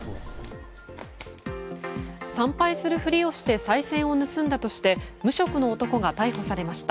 参拝するふりをしてさい銭を盗んだとして無職の男が逮捕されました。